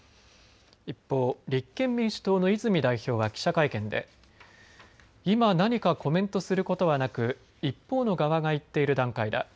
一方、立憲民主党の泉代表は記者会見で今、何かコメントすることはなく一方の側が言っている段階だ。